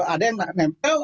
ada yang menempel